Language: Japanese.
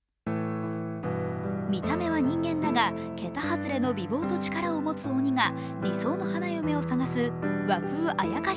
見た目は人間だが、桁外れの美貌と力を持つ鬼が理想の花嫁をさがす、和風あやかし